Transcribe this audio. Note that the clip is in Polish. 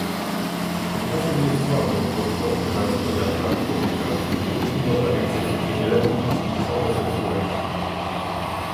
Tymczasem nie słabną potworne naruszenia praw człowieka i rutynowe egzekucje nieletnich i homoseksualistów